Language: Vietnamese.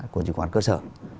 của trứng khoán cơ sở